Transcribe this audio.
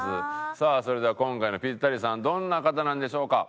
さあそれでは今回のピッタリさんどんな方なんでしょうか？